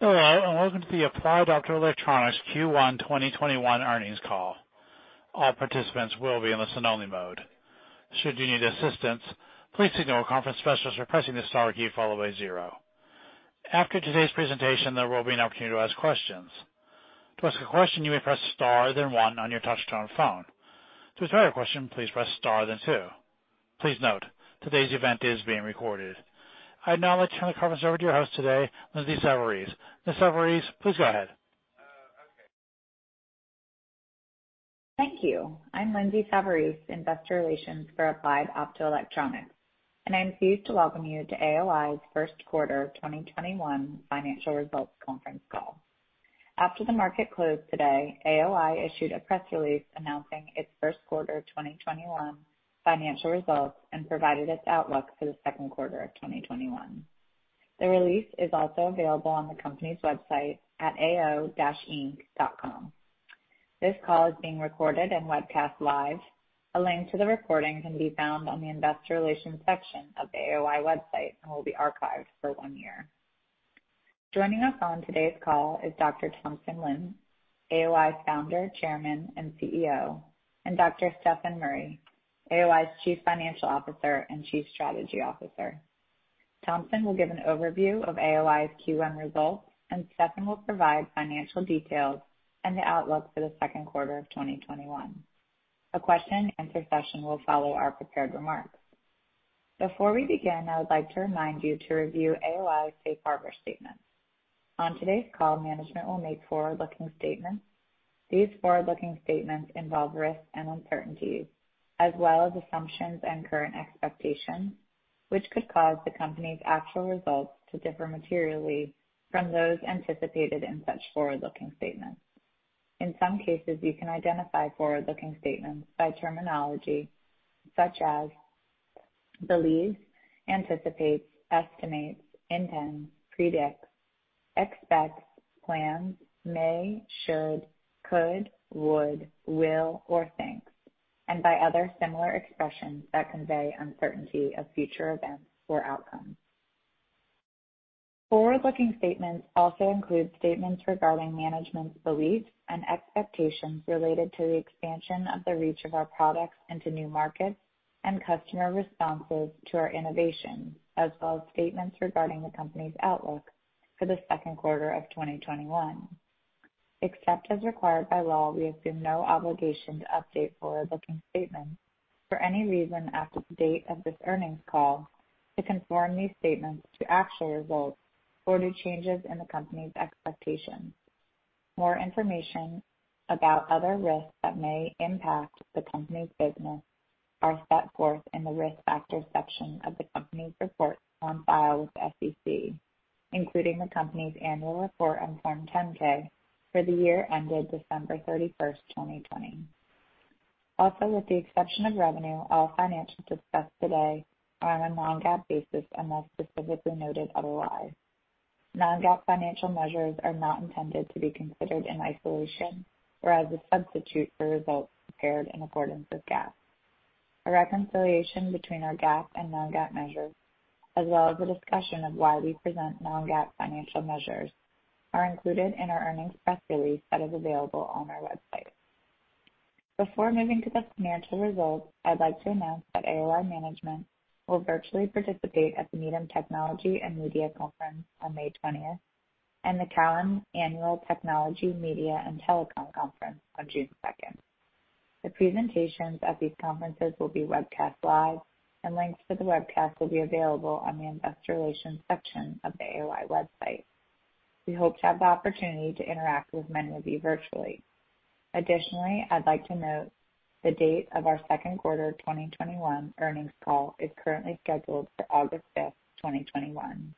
Hello, welcome to the Applied Optoelectronics Q1 2021 earnings call. All participants will be in listen only mode. Should you need assistance, please signal a conference specialist by pressing the star key followed by zero. After today's presentation, there will be an opportunity to ask questions. To ask a question, you may press star, then one on your touchtone phone. To withdraw your question, please press star, then two. Please note, today's event is being recorded. I'd now like to turn the conference over to your host today, Lindsay Savarese. Ms. Savarese, please go ahead. Thank you. I'm Lindsay Savarese, Investor Relations for Applied Optoelectronics, and I'm pleased to welcome you to AOI's first quarter 2021 financial results conference call. After the market closed today, AOI issued a press release announcing its first quarter 2021 financial results and provided its outlook for the second quarter of 2021. The release is also available on the company's website at ao-inc.com. This call is being recorded and webcast live. A link to the recording can be found on the investor relations section of the AOI website and will be archived for one year. Joining us on today's call is Dr. Thompson Lin, AOI's founder, chairman, and CEO, and Dr. Stefan Murry, AOI's chief financial officer and chief strategy officer. Thompson will give an overview of AOI's Q1 results, and Stefan will provide financial details and the outlook for the second quarter of 2021. A question and answer session will follow our prepared remarks. Before we begin, I would like to remind you to review AOI's safe harbor statement. On today's call, management will make forward-looking statements. These forward-looking statements involve risks and uncertainties, as well as assumptions and current expectations, which could cause the company's actual results to differ materially from those anticipated in such forward-looking statements. In some cases, you can identify forward-looking statements by terminology such as believes, anticipates, estimates, intends, predicts, expects, plans, may, should, could, would, will, or thinks. By other similar expressions that convey uncertainty of future events or outcomes, forward-looking statements also include statements regarding management's beliefs and expectations related to the expansion of the reach of our products into new markets and customer responses to our innovations, as well as statements regarding the company's outlook for the second quarter of 2021. Except as required by law, we assume no obligation to update forward-looking statements for any reason after the date of this earnings call to conform these statements to actual results or to changes in the company's expectations. More information about other risks that may impact the company's business are set forth in the risk factors section of the company's report on file with the SEC, including the company's annual report on Form 10-K for the year ended December 31st, 2020. Also, with the exception of revenue, all financials discussed today are on a non-GAAP basis unless specifically noted otherwise. Non-GAAP financial measures are not intended to be considered in isolation or as a substitute for results prepared in accordance with GAAP. A reconciliation between our GAAP and non-GAAP measures, as well as a discussion of why we present non-GAAP financial measures, are included in our earnings press release that is available on our website. Before moving to the financial results, I'd like to announce that AOI management will virtually participate at the Needham Technology & Media Conference on May 20th and the Cowen Annual Technology, Media & Telecom Conference on June 2nd. The presentations at these conferences will be webcast live, and links to the webcast will be available on the investor relations section of the AOI website. We hope to have the opportunity to interact with many of you virtually. Additionally, I'd like to note the date of our second quarter 2021 earnings call is currently scheduled for August 5th, 2021.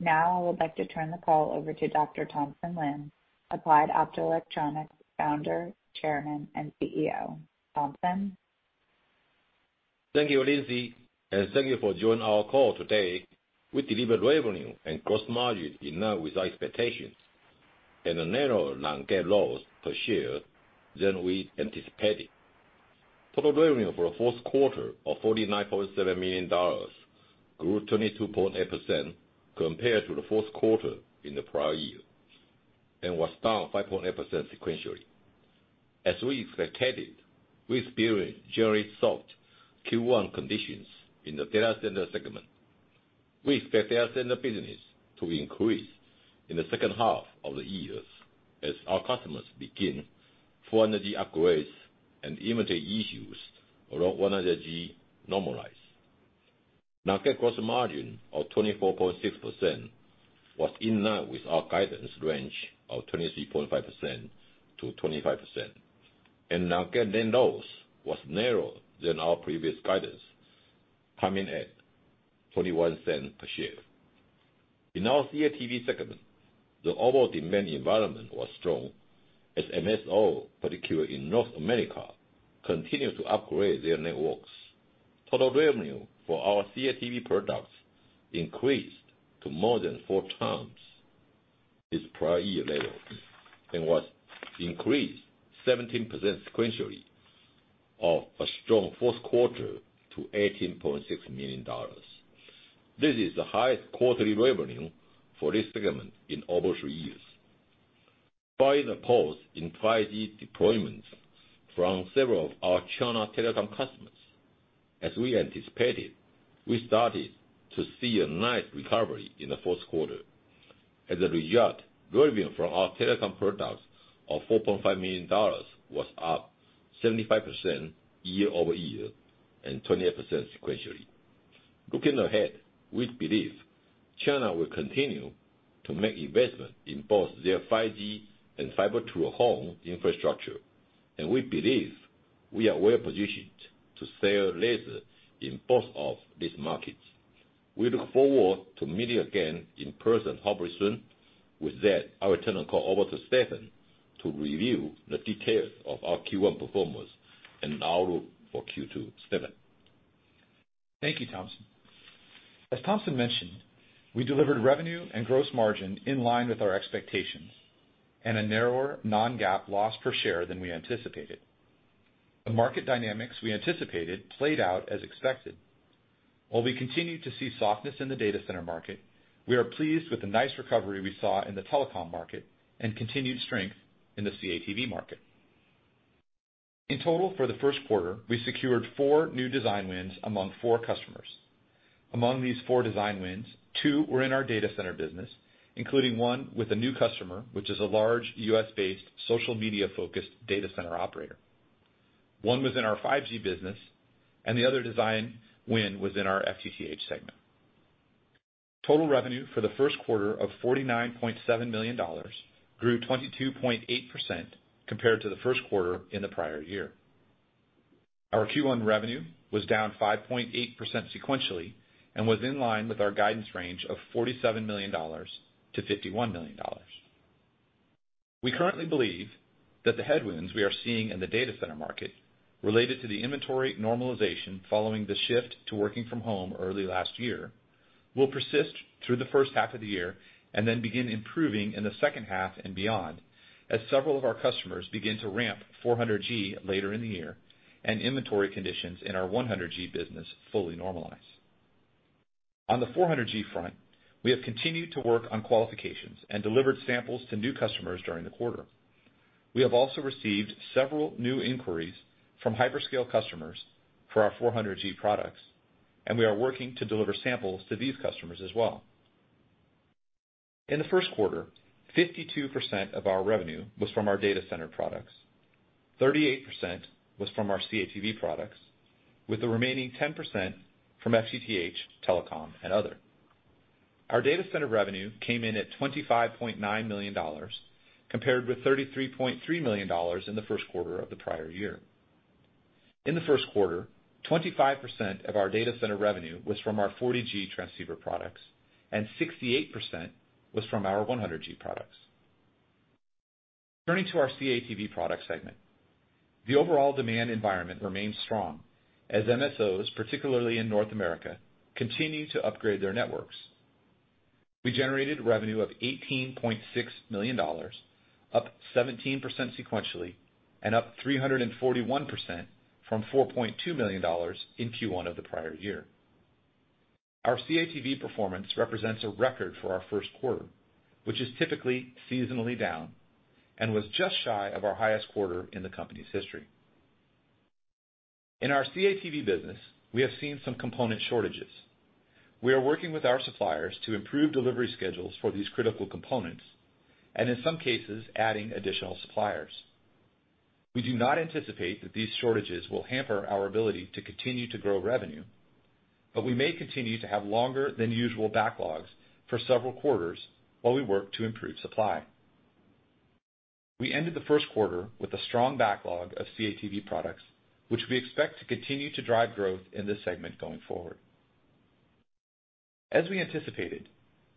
Now, I would like to turn the call over to Dr. Thompson Lin, Applied Optoelectronics Founder, Chairman, and CEO. Thompson? Thank you, Lindsay, and thank you for joining our call today. We delivered revenue and gross margin in line with our expectations and a narrower non-GAAP loss per share than we anticipated. Total revenue for the first quarter of $49.7 million grew 22.8% compared to the first quarter in the prior year and was down 5.8% sequentially. As we expected, we experienced generally soft Q1 conditions in the data center segment. We expect data center business to increase in the second half of the year as our customers begin 400G upgrades and inventory issues around 100G normalize. Non-GAAP gross margin of 24.6% was in line with our guidance range of 23.5%-25%, and non-GAAP net loss was narrower than our previous guidance, coming at $0.21 per share. In our CATV segment, the overall demand environment was strong as MSO, particularly in North America, continued to upgrade their networks. Total revenue for our CATV products increased to more than four times its prior year level and was increased 17% sequentially off a strong first quarter to $18.6 million. This is the highest quarterly revenue for this segment in over three years. By the pause in 5G deployments from several of our China telecom customers, as we anticipated, we started to see a nice recovery in the first quarter. As a result, revenue from our telecom products of $4.5 million was up 75% year-over-year and 28% sequentially. Looking ahead, we believe China will continue to make investment in both their 5G and fiber to home infrastructure, and we believe we are well-positioned to sell lasers in both of these markets. We look forward to meeting again in person very soon. With that, I will turn the call over to Stefan to review the details of our Q1 performance and outlook for Q2. Stefan? Thank you, Thompson. As Thompson mentioned, we delivered revenue and gross margin in line with our expectations, and a narrower non-GAAP loss per share than we anticipated. The market dynamics we anticipated played out as expected. While we continue to see softness in the data center market, we are pleased with the nice recovery we saw in the telecom market and continued strength in the CATV market. In total, for the first quarter, we secured four new design wins among four customers. Among these four design wins, two were in our data center business, including one with a new customer, which is a large U.S.-based social media-focused data center operator. One was in our 5G business, and the other design win was in our FTTH segment. Total revenue for the first quarter of $49.7 million grew 22.8% compared to the first quarter in the prior year. Our Q1 revenue was down 5.8% sequentially and was in line with our guidance range of $47 million-$51 million. We currently believe that the headwinds we are seeing in the data center market related to the inventory normalization following the shift to working from home early last year, will persist through the first half of the year and then begin improving in the second half and beyond, as several of our customers begin to ramp 400G later in the year, and inventory conditions in our 100G business fully normalize. On the 400G front, we have continued to work on qualifications and delivered samples to new customers during the quarter. We have also received several new inquiries from hyperscale customers for our 400G products, and we are working to deliver samples to these customers as well. In the first quarter, 52% of our revenue was from our data center products, 38% was from our CATV products, with the remaining 10% from FTTH, telecom, and other. Our data center revenue came in at $25.9 million, compared with $33.3 million in the first quarter of the prior year. In the first quarter, 25% of our data center revenue was from our 40G transceiver products and 68% was from our 100G products. Turning to our CATV product segment. The overall demand environment remains strong as MSOs, particularly in North America, continue to upgrade their networks. We generated revenue of $18.6 million, up 17% sequentially and up 341% from $4.2 million in Q1 of the prior year. Our CATV performance represents a record for our first quarter, which is typically seasonally down and was just shy of our highest quarter in the company's history. In our CATV business, we have seen some component shortages. We are working with our suppliers to improve delivery schedules for these critical components, and in some cases, adding additional suppliers. We do not anticipate that these shortages will hamper our ability to continue to grow revenue, but we may continue to have longer than usual backlogs for several quarters while we work to improve supply. We ended the first quarter with a strong backlog of CATV products, which we expect to continue to drive growth in this segment going forward. As we anticipated,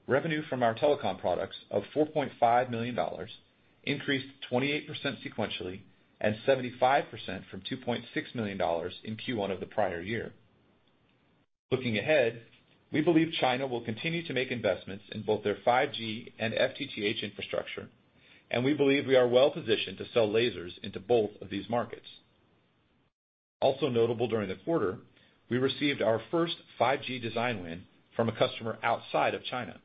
revenue from our telecom products of $4.5 million increased 28% sequentially and 75% from $2.6 million in Q1 of the prior year. Looking ahead, we believe China will continue to make investments in both their 5G and FTTH infrastructure, and we believe we are well-positioned to sell lasers into both of these markets. Also notable during the quarter, we received our first 5G design win from a customer outside of China.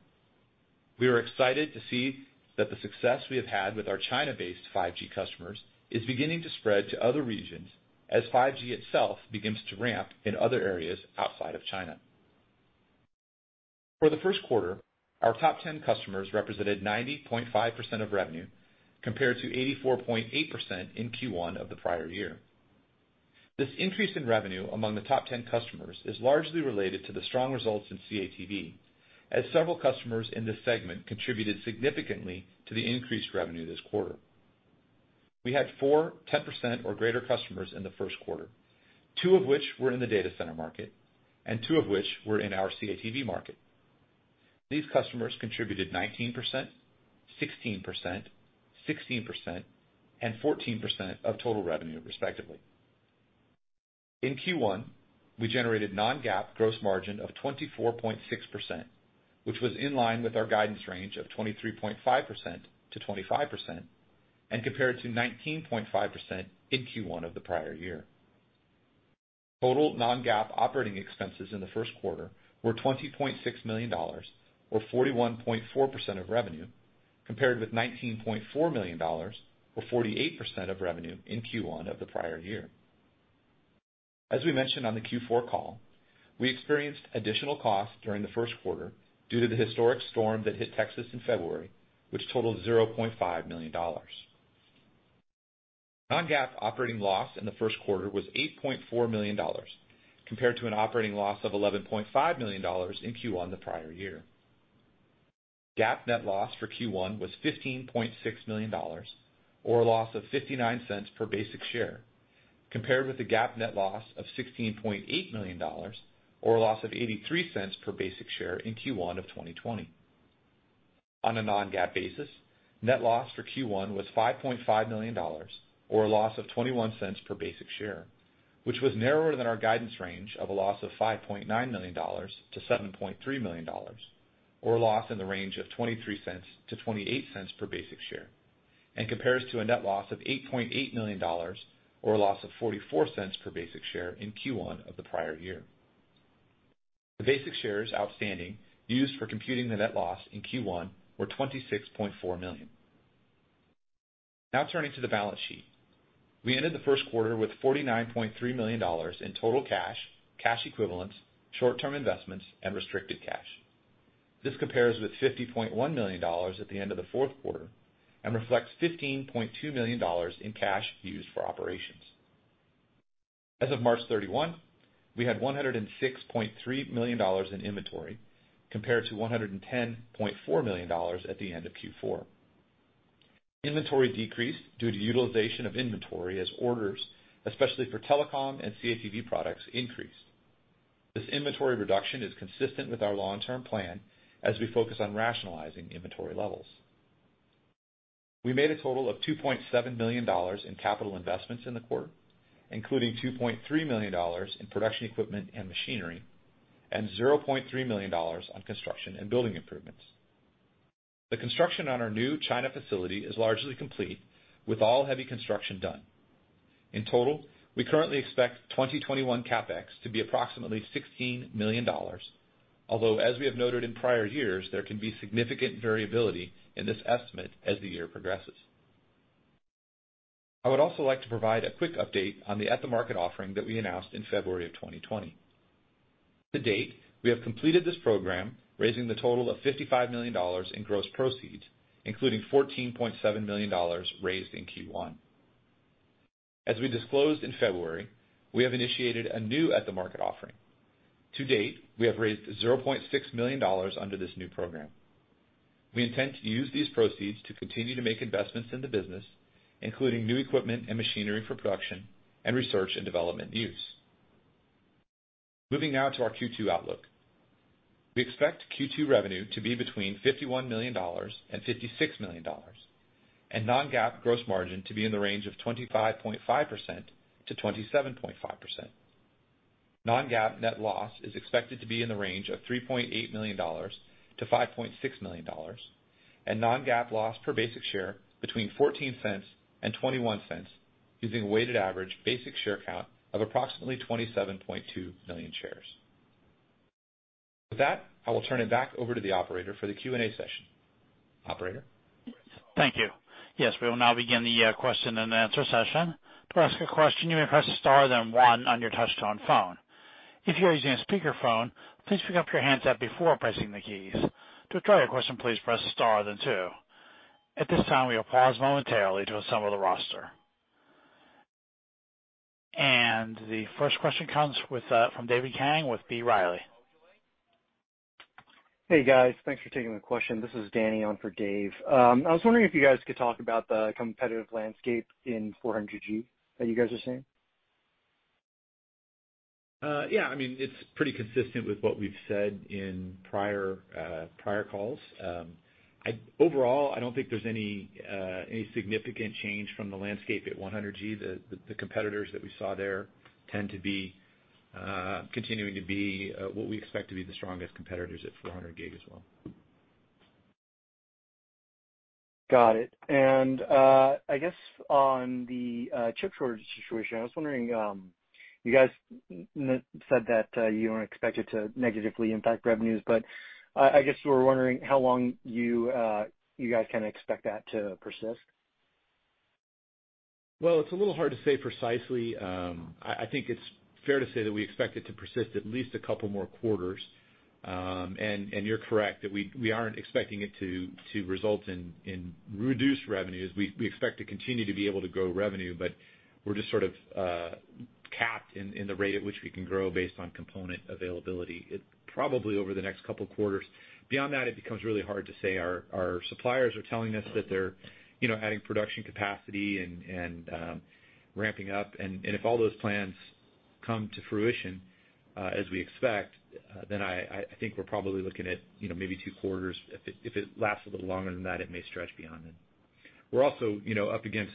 We are excited to see that the success we have had with our China-based 5G customers is beginning to spread to other regions as 5G itself begins to ramp in other areas outside of China. For the first quarter, our top 10 customers represented 90.5% of revenue, compared to 84.8% in Q1 of the prior year. This increase in revenue among the top 10 customers is largely related to the strong results in CATV, as several customers in this segment contributed significantly to the increased revenue this quarter. We had four 10% or greater customers in the first quarter, two of which were in the data center market and two of which were in our CATV market. These customers contributed 19%, 16%, 16%, and 14% of total revenue, respectively. In Q1, we generated non-GAAP gross margin of 24.6%, which was in line with our guidance range of 23.5%-25%, and compared to 19.5% in Q1 of the prior year. Total non-GAAP operating expenses in the first quarter were $20.6 million, or 41.4% of revenue, compared with $19.4 million, or 48% of revenue in Q1 of the prior year. As we mentioned on the Q4 call, we experienced additional costs during the first quarter due to the historic storm that hit Texas in February, which totaled $0.5 million. Non-GAAP operating loss in the first quarter was $8.4 million, compared to an operating loss of $11.5 million in Q1 the prior year. GAAP net loss for Q1 was $15.6 million, or a loss of $0.59 per basic share, compared with the GAAP net loss of $16.8 million, or a loss of $0.83 per basic share in Q1 of 2020. On a non-GAAP basis, net loss for Q1 was $5.5 million, or a loss of $0.21 per basic share, which was narrower than our guidance range of a loss of $5.9 million-$7.3 million, or a loss in the range of $0.23-$0.28 per basic share, and compares to a net loss of $8.8 million, or a loss of $0.44 per basic share in Q1 of the prior year. The basic shares outstanding used for computing the net loss in Q1 were 26.4 million. Now turning to the balance sheet. We ended the first quarter with $49.3 million in total cash equivalents, short-term investments, and restricted cash. This compares with $50.1 million at the end of the first quarter and reflects $15.2 million in cash used for operations. As of March 31, we had $106.3 million in inventory, compared to $110.4 million at the end of Q4. Inventory decreased due to utilization of inventory as orders, especially for telecom and CATV products, increased. This inventory reduction is consistent with our long-term plan as we focus on rationalizing inventory levels. We made a total of $2.7 million in capital investments in the quarter, including $2.3 million in production equipment and machinery and $0.3 million on construction and building improvements. The construction on our new China facility is largely complete, with all heavy construction done. In total, we currently expect 2021 CapEx to be approximately $16 million. Although, as we have noted in prior years, there can be significant variability in this estimate as the year progresses. I would also like to provide a quick update on the at-the-market offering that we announced in February of 2020. To date, we have completed this program, raising the total of $55 million in gross proceeds, including $14.7 million raised in Q1. As we disclosed in February, we have initiated a new at-the-market offering. To date, we have raised $0.6 million under this new program. We intend to use these proceeds to continue to make investments in the business, including new equipment and machinery for production and research and development use. Moving now to our Q2 outlook. We expect Q2 revenue to be between $51 million and $56 million, and non-GAAP gross margin to be in the range of 25.5%-27.5%. Non-GAAP net loss is expected to be in the range of $3.8 million-$5.6 million and non-GAAP loss per basic share between $0.14 and $0.21, using a weighted average basic share count of approximately 27.2 million shares. With that, I will turn it back over to the operator for the Q&A session. Operator? Thank you. Yes, we will now begin the question and answer session. To ask a question press star then one on your touch-tone phone. If you are using a speaker phone please pick-up your handset before pressing the keys. To withdraw please press star then zero. At this time, we will pause momentarily to assemble the roster. The first question comes from Dave Kang with B. Riley. Hey, guys. Thanks for taking the question. This is Danny on for Dave. I was wondering if you guys could talk about the competitive landscape in 400G that you guys are seeing. Yeah. It's pretty consistent with what we've said in prior calls. Overall, I don't think there's any significant change from the landscape at 100G. The competitors that we saw there tend to be continuing to be what we expect to be the strongest competitors at 400G as well. Got it. I guess on the chip shortage situation, I was wondering, you guys said that you don't expect it to negatively impact revenues, but I guess we were wondering how long you guys kind of expect that to persist. Well, it's a little hard to say precisely. I think it's fair to say that we expect it to persist at least a couple more quarters. You're correct that we aren't expecting it to result in reduced revenues. We expect to continue to be able to grow revenue, we're just sort of capped in the rate at which we can grow based on component availability. It probably over the next couple quarters. Beyond that, it becomes really hard to say. Our suppliers are telling us that they're adding production capacity and ramping up. If all those plans come to fruition as we expect, then I think we're probably looking at maybe two quarters. If it lasts a little longer than that, it may stretch beyond then. We're also up against,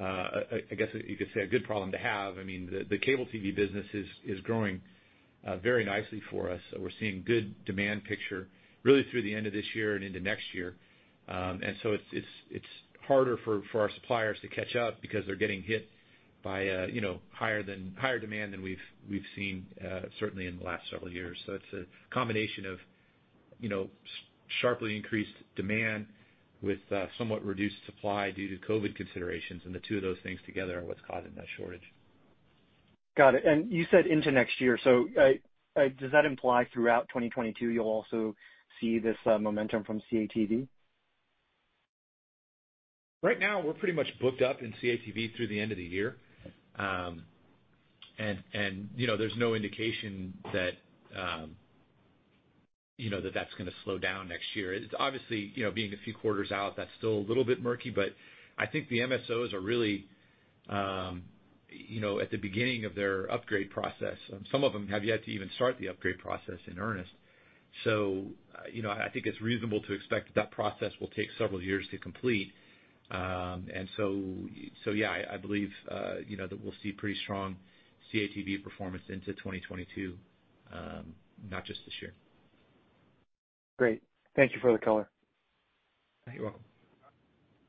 I guess you could say, a good problem to have. I mean, the cable TV business is growing very nicely for us. We're seeing good demand picture really through the end of this year and into next year. It's harder for our suppliers to catch up because they're getting hit by higher demand than we've seen certainly in the last several years. It's a combination of sharply increased demand with somewhat reduced supply due to COVID considerations. The two of those things together are what's causing that shortage. Got it. You said into next year, does that imply throughout 2022, you'll also see this momentum from CATV? Right now, we're pretty much booked up in CATV through the end of the year. There's no indication that that's going to slow down next year. It's obviously, being a few quarters out, that's still a little bit murky, but I think the MSOs are really at the beginning of their upgrade process. Some of them have yet to even start the upgrade process in earnest. I think it's reasonable to expect that process will take several years to complete. I believe that we'll see pretty strong CATV performance into 2022, not just this year. Great. Thank you for the color. You're welcome.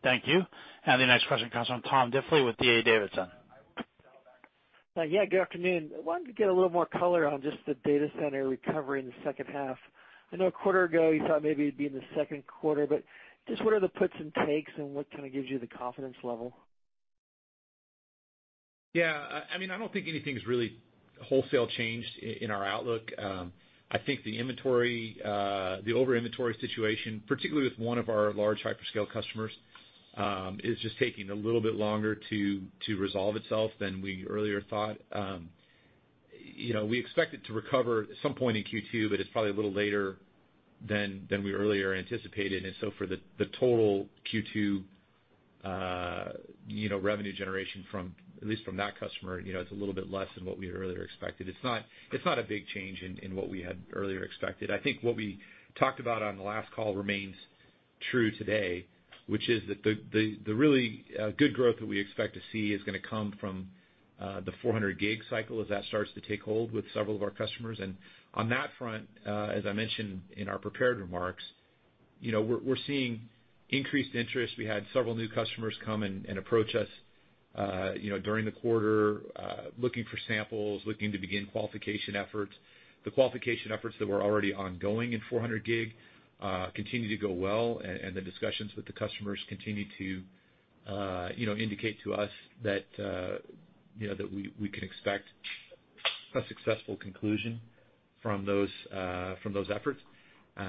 Thank you. The next question comes from Tom Diffely with D.A. Davidson. Good afternoon. I wanted to get a little more color on just the data center recovery in the second half. I know a quarter ago you thought maybe it'd be in the second quarter, but just what are the puts and takes and what kind of gives you the confidence level? Yeah. I don't think anything's really wholesale changed in our outlook. I think the over-inventory situation, particularly with one of our large hyperscale customers, is just taking a little bit longer to resolve itself than we earlier thought. We expect it to recover at some point in Q2, but it's probably a little later than we earlier anticipated. For the total Q2 revenue generation at least from that customer, it's a little bit less than what we had earlier expected. It's not a big change in what we had earlier expected. I think what we talked about on the last call remains true today, which is that the really good growth that we expect to see is going to come from the 400G cycle as that starts to take hold with several of our customers. On that front, as I mentioned in our prepared remarks, we are seeing increased interest. We had several new customers come and approach us during the quarter, looking for samples, looking to begin qualification efforts. The qualification efforts that were already ongoing in 400G continue to go well, and the discussions with the customers continue to indicate to us that we can expect a successful conclusion from those efforts. We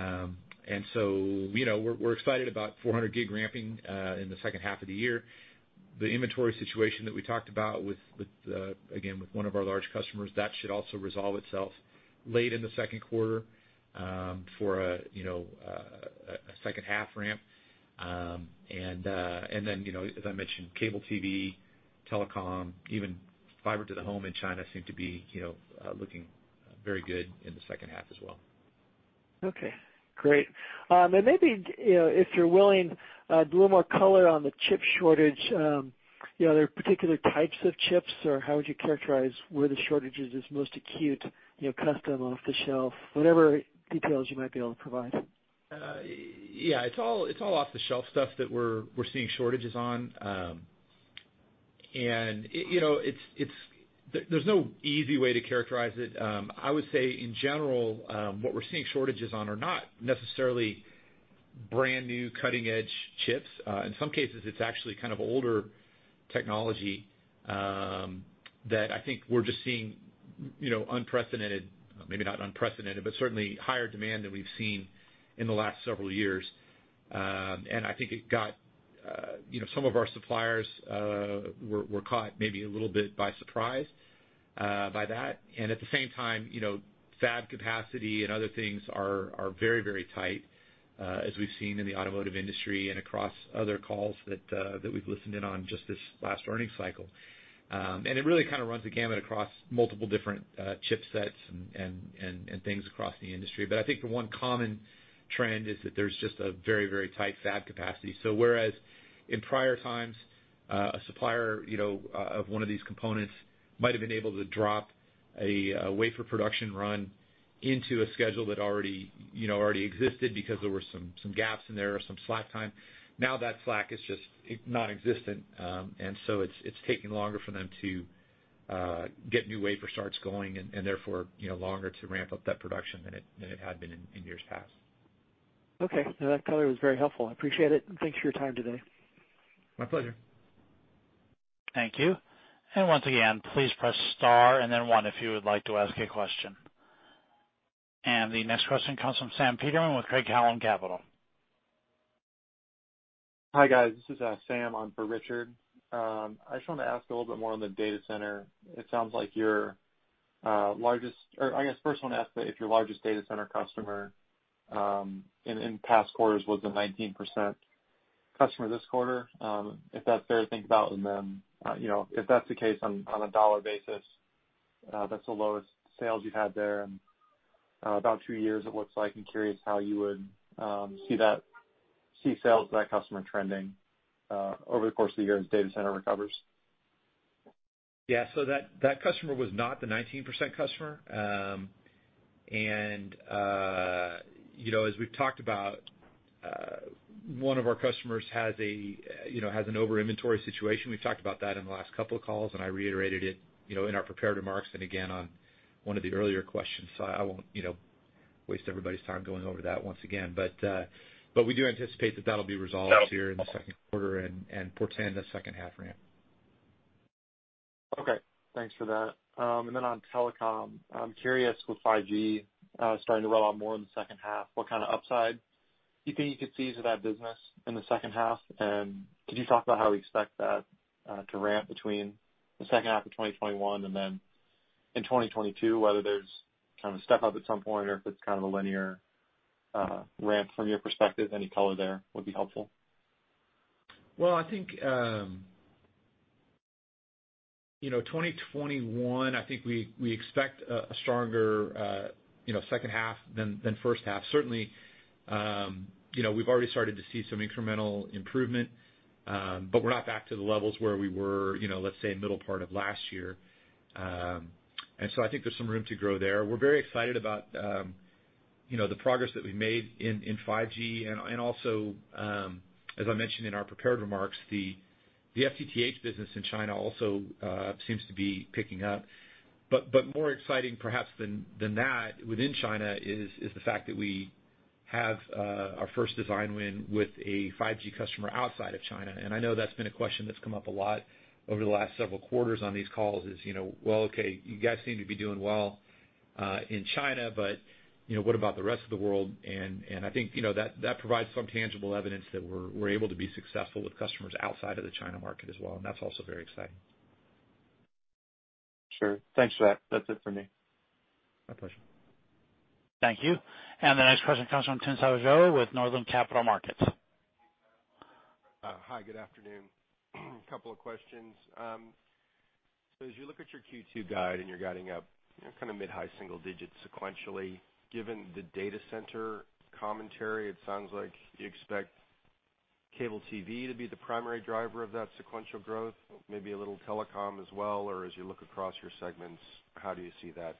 are excited about 400G ramping in the second half of the year. The inventory situation that we talked about, again, with one of our large customers, that should also resolve itself late in the second quarter for a second-half ramp. Then, as I mentioned, cable TV, telecom, even fiber to the home in China seem to be looking very good in the second half as well. Okay. Great. Maybe, if you're willing, a little more color on the chip shortage. Are there particular types of chips, or how would you characterize where the shortage is most acute, custom, off-the-shelf, whatever details you might be able to provide? Yeah. It's all off-the-shelf stuff that we're seeing shortages on. There's no easy way to characterize it. I would say in general, what we're seeing shortages on are not necessarily brand-new, cutting-edge chips. In some cases, it's actually kind of older technology that I think we're just seeing unprecedented, maybe not unprecedented, but certainly higher demand than we've seen in the last several years. I think some of our suppliers were caught maybe a little bit by surprise by that. At the same time, fab capacity and other things are very tight, as we've seen in the automotive industry and across other calls that we've listened in on just this last earnings cycle. It really kind of runs the gamut across multiple different chipsets and things across the industry. I think the one common trend is that there's just a very tight fab capacity. Whereas in prior times, a supplier of one of these components might've been able to drop a wafer production run into a schedule that already existed because there were some gaps in there or some slack time. Now that slack is just nonexistent. It's taking longer for them to get new wafer starts going and therefore longer to ramp up that production than it had been in years past. Okay. No, that color was very helpful. I appreciate it, and thanks for your time today. My pleasure. Thank you. Once again, please press star and then one if you would like to ask a question. The next question comes from Sam Peterman with Craig-Hallum Capital. Hi, guys. This is Sam. I'm for Richard. I just wanted to ask a little bit more on the data center. I guess first I want to ask that if your largest data center customer in past quarters was the 19% customer this quarter, if that's fair to think about? If that's the case on a dollar basis, that's the lowest sales you've had there in about two years it looks like. I'm curious how you would see sales to that customer trending over the course of the year as data center recovers. Yeah. That customer was not the 19% customer. As we've talked about, one of our customers has an over inventory situation. We've talked about that in the last couple of calls, and I reiterated it in our prepared remarks, and again on one of the earlier questions. I won't waste everybody's time going over that once again. We do anticipate that that'll be resolved here in the second quarter and portend a second half ramp. Okay, thanks for that. On telecom, I'm curious with 5G starting to roll out more in the second half, what kind of upside you think you could see to that business in the second half? Could you talk about how we expect that to ramp between the second half of 2021 and then in 2022, whether there's kind of a step up at some point, or if it's kind of a linear ramp from your perspective, any color there would be helpful. Well, I think 2021, I think we expect a stronger second half than first half. Certainly, we've already started to see some incremental improvement, but we're not back to the levels where we were, let's say, middle part of last year. I think there's some room to grow there. We're very excited about the progress that we made in 5G, and also, as I mentioned in our prepared remarks, the FTTH business in China also seems to be picking up. More exciting perhaps than that within China is the fact that we have our first design win with a 5G customer outside of China. I know that's been a question that's come up a lot over the last several quarters on these calls is, "Well, okay, you guys seem to be doing well in China, but what about the rest of the world?" I think that provides some tangible evidence that we're able to be successful with customers outside of the China market as well, and that's also very exciting. Sure. Thanks for that. That's it for me. My pleasure. Thank you. The next question comes from Tim Savageaux with Northland Capital Markets. Hi, good afternoon. A couple of questions. As you look at your Q2 guide, and you're guiding up kind of mid-high single digits sequentially, given the data center commentary, it sounds like you expect cable TV to be the primary driver of that sequential growth, maybe a little telecom as well. As you look across your segments, how do you see that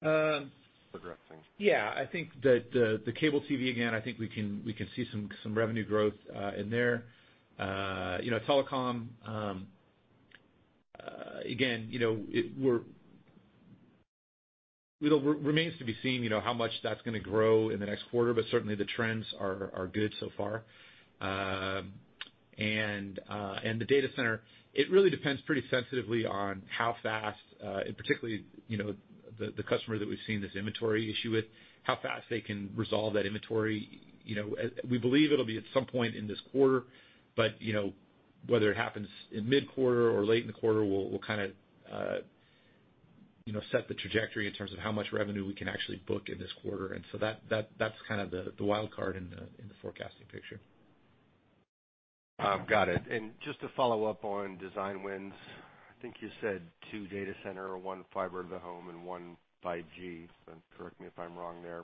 progressing? Yeah, I think that the cable TV, again, I think we can see some revenue growth in there. Telecom, again, it remains to be seen how much that's going to grow in the next quarter, but certainly the trends are good so far. The data center, it really depends pretty sensitively on how fast, and particularly the customer that we've seen this inventory issue with, how fast they can resolve that inventory. We believe it'll be at some point in this quarter, but whether it happens in mid-quarter or late in the quarter will set the trajectory in terms of how much revenue we can actually book in this quarter. That's the wild card in the forecasting picture. Got it. Just to follow up on design wins, I think you said two data center, one fiber to the home, and one 5G. Correct me if I'm wrong there.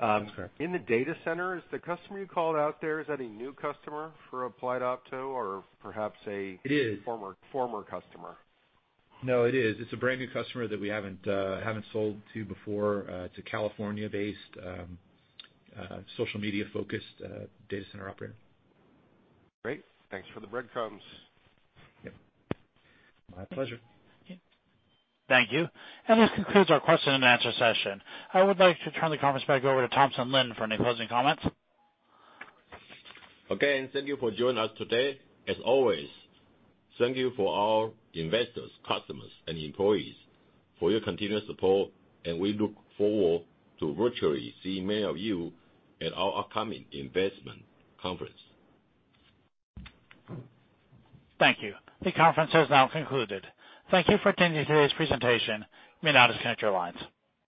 That's correct. In the data center, is the customer you called out there, is that a new customer for Applied Opto or perhaps? It is. A former customer? No, it is. It's a brand new customer that we haven't sold to before. It's a California-based social media-focused data center operator. Great. Thanks for the breadcrumbs. Yep. My pleasure. Thank you. This concludes our question and answer session. I would like to turn the conference back over to Thompson Lin for any closing comments. Again, thank you for joining us today. As always, thank you for our investors, customers, and employees for your continued support, and we look forward to virtually seeing many of you at our upcoming investment conference. Thank you. The conference has now concluded. Thank you for attending today's presentation. You may now disconnect your lines.